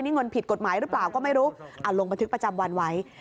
นี่เงินผิดกฎหมายหรือเปล่าก็ไม่รู้ลงบันทึกประจำวันไว้